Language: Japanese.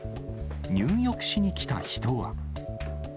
入浴しに来た人は。